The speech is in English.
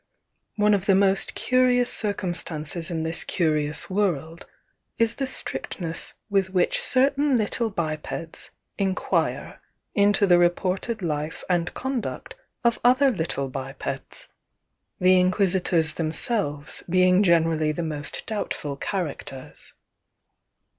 One of the most curious circumstances in this curious world is the strictness with which certain little bipeds inquire into the reported life and conduct of other little bipeds, the inquisitors themselves being generally the most doubtful characters.